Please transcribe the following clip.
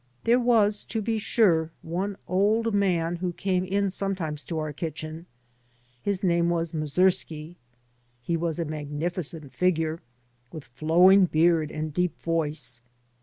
There was, to be sure, one old man who came in sometimes to our kitchen. His name was Mazersky. He was a magnificent figure, with flowing beard and deep voice.